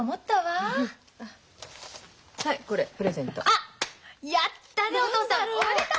あっやったねお父さんおめでとう！